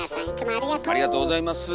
ありがとうございます。